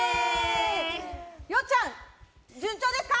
よっちゃん、順調ですか？